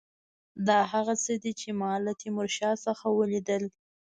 دا هغه څه دي چې ما له تیمورشاه څخه ولیدل.